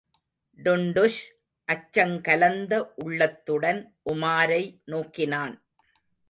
டுன்டுஷ் அச்சங்கலந்த உள்ளத்துடன் உமாரை நோக்கினான்.